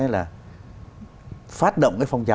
là phát động cái phòng trả lời